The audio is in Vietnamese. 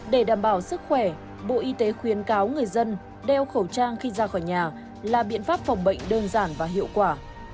để đảm bảo sức khỏe bộ y tế khuyến cáo người dân đeo khẩu trang khi ra khỏi nhà là biện pháp phòng bệnh đơn giản và hiệu quả